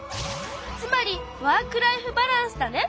つまり「ワーク・ライフ・バランス」だね！